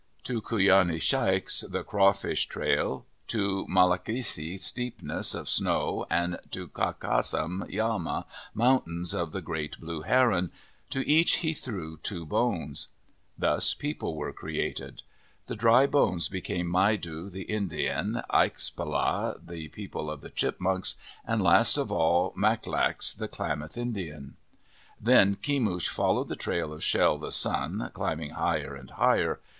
To Kuyani Shaiks, the crawfish trail, to Molaiksi, steepness of snow, and to Kakasam Yama, mountain of the great blue heron, to each he threw two bones. Thus people were created. The dry bones became Maidu, the Indian, Aikspala, the people of the chipmunks, and last of all, Maklaks, the Klamath Indian. 26 OF THE PACIFIC NORTHWEST Then Kemush followed the trail of Shel, the sun, climbing higher and higher.